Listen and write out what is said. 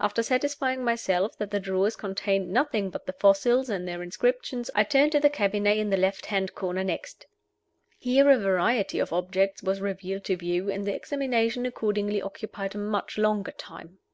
After satisfying myself that the drawers contained nothing but the fossils and their inscriptions, I turned to the cabinet in the left hand corner next. Here a variety of objects was revealed to view, and the examination accordingly occupied a much longer time.